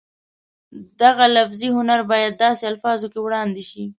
دغه لفظي هنر باید داسې الفاظو کې وړاندې شي